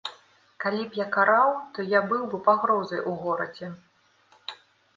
Калі б я караў, то я быў бы пагрозай у горадзе.